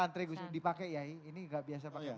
santri gus dur dipakai ya ini gak biasa pakai mic